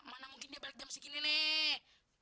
mana mungkin dia balik jam segini nek